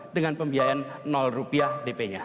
dengan pembiayaan rupiah dp nya